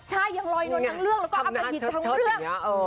ใช่ยังลอยนวลทั้งเรื่องแล้วก็อมหิตทั้งเรื่อง